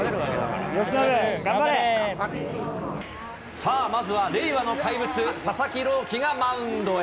由伸、頑張れ！さあ、まずは令和の怪物、佐々木朗希がマウンドへ。